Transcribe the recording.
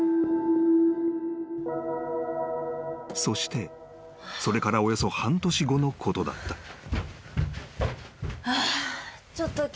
［そしてそれからおよそ半年後のことだった］